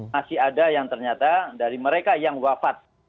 masih ada yang ternyata dari mereka yang wafat